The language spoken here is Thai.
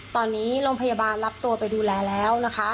ตอนนี้โรงพยาบาลรับตัวไปดูแลแล้วนะคะ